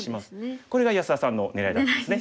これが安田さんの狙いだったんですね。